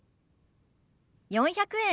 ４００円。